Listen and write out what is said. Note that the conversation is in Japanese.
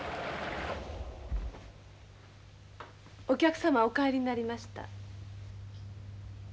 お客様お帰りになりました。